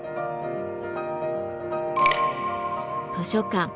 図書館。